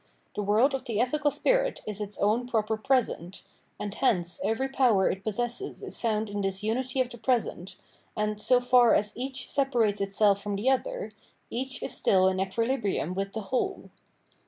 The world of the ethical spirit is its own proper present ; and hence every power it possesses is foimd in this unity of the present, and, so far as each separates itself from the other, each is still in equilibrium with the whole.